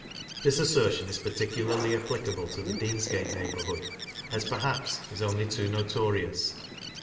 This assertion is particularly applicable to the Deansgate neighbour hood, as, perhaps, is only too notorious.